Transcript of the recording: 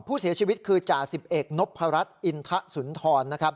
ผู้เสียชีวิตคือจ่าสิบเอกนพรัชอินทะสุนทรนะครับ